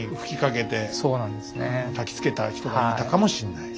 たきつけた人がいたかもしれない。